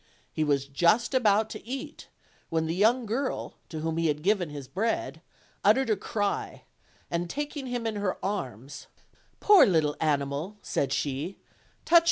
He was just about, to eat, when the young girl, to whom he had given his bread, uttered a cry, and, taking him in her arms: "Poor little animal," said she, "touch i.